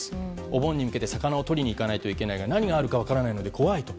お盆に向けて魚をとらないといけないが何があるか分からないので怖いと。